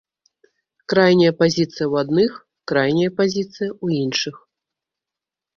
Крайняя пазіцыя ў адных, крайняя пазіцыя ў іншых.